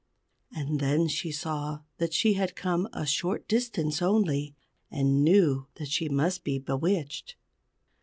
And then she saw that she had come a short distance only, and knew that she must be bewitched.